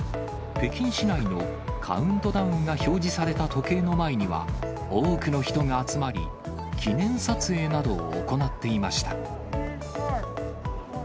北京市内のカウントダウンが表示された時計の前には、多くの人が集まり、記念撮影などを行っていました。